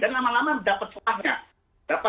dan lama lama dapat celahnya